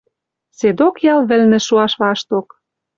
Седок ял вӹлнӹ — шоаш вашток.